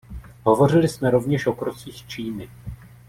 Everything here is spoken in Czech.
Hovořili jsme rovněž o krocích Číny.